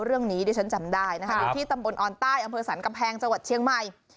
เรื่องนี้เดี๋ยวฉันจำได้นะครับอยู่ที่ตำบลอ่อนใต้อำเภษันกำแพงจังหวัดเชียงใหม่